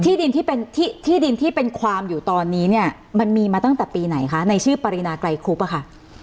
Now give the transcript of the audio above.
ที่ดินที่เป็นความอยู่ตอนนี้มันมีมาตั้งแต่ปีไหนคะในชื่อปริณากลายคุบป่ะค่ะ